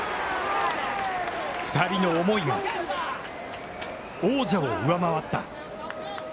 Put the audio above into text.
２人の思いが王者を上回った。